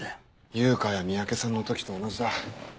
悠香や三宅さんの時と同じだ。